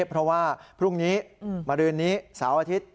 เพราะว่าพรุ่งนี้มารืนนี้เสาร์อาทิตย์